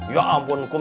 ya ampun kum